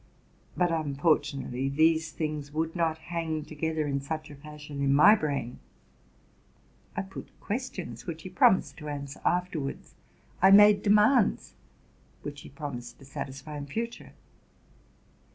But, unfor tunately, these things would not hang together in such a fashion in my brain. I put questions, which he promised to answer afterwards: I made demands, which he promised to satisfy in future.